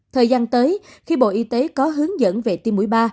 thời gian tới khi bộ y tế có hướng dẫn về tiêm mũi ba